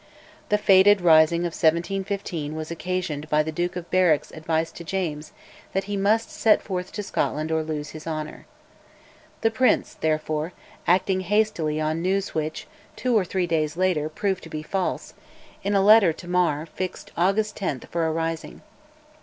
The fated rising of 1715 was occasioned by the Duke of Berwick's advice to James that he must set forth to Scotland or lose his honour. The prince therefore, acting hastily on news which, two or three days later, proved to be false, in a letter to Mar fixed August 10 for a rising.